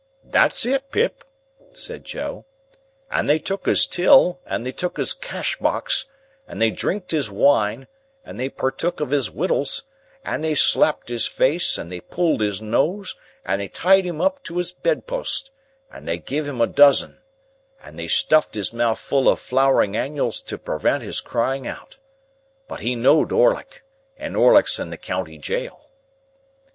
"That's it, Pip," said Joe; "and they took his till, and they took his cash box, and they drinked his wine, and they partook of his wittles, and they slapped his face, and they pulled his nose, and they tied him up to his bedpust, and they giv' him a dozen, and they stuffed his mouth full of flowering annuals to prewent his crying out. But he knowed Orlick, and Orlick's in the county jail."